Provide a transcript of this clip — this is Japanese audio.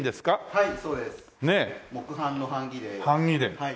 はい。